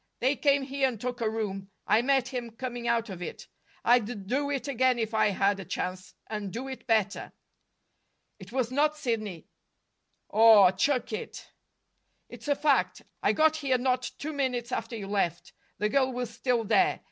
"They came here and took a room. I met him coming out of it. I'd do it again if I had a chance, and do it better." "It was not Sidney." "Aw, chuck it!" "It's a fact. I got here not two minutes after you left. The girl was still there.